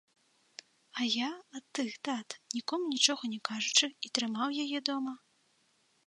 А я, ад тых дат, нікому нічога не кажучы, і трымаў яе дома.